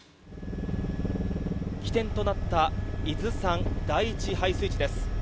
起点となった伊豆山第一配水池です。